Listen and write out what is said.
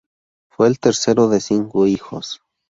Fue el tercero de cinco hijos.